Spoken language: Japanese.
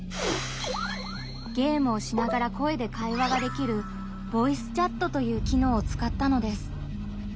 ゲームをしながら声で会話ができるボイスチャットという機能をつかったのです。